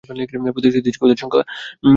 প্রতিশ্রুতি দিচ্ছি ওদের সংখ্যা কমে যাবে।